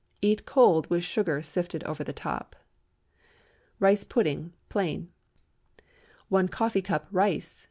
Eat cold, with sugar sifted over the top. RICE PUDDING (Plain.) ✠ 1 coffee cup rice.